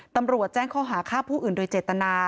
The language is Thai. ตำรวจแจ้งข้อหาฆ่าผู้อื่นโดยเจตนา